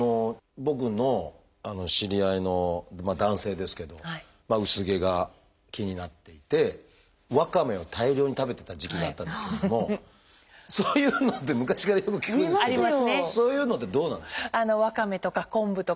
僕の知り合いの男性ですけど薄毛が気になっていてワカメを大量に食べてた時期があったんですけれどもそういうのって昔からよく聞くんですけどそういうのってどうなんですか？